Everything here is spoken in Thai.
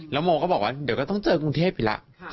แล้วโมก็บอกว่าเดี๋ยวก็ต้องเจอกรุงเทพอีกแล้ว